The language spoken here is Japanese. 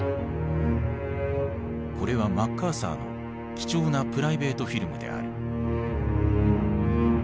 これはマッカーサーの貴重なプライベートフィルムである。